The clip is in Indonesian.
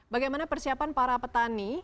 bagaimana persiapan para petani